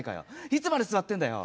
いつまで座ってんだよ。